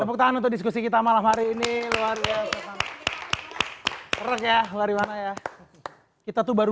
tepuk tangan untuk diskusi kita malam hari ini luar biasa rek ya lariwana ya kita tuh baru